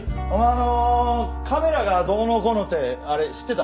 あのカメラがどうのこうのってあれ知ってた？